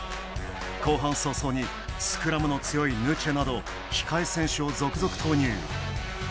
後半早々にスクラムの強いヌチェなど控え選手を続々投入。